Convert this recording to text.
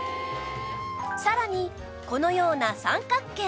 さらにこのような三角形のタイプも